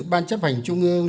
ban chấp hành trung ương